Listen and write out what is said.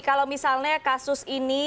kalau misalnya kasus ini